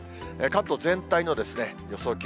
関東全体の予想